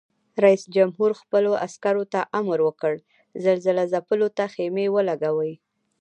رئیس جمهور خپلو عسکرو ته امر وکړ؛ زلزله ځپلو ته خېمې ولګوئ!